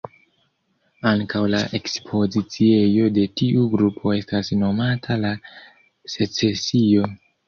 Ankaŭ la ekspoziciejo de tiu grupo estas nomata "La Secesio".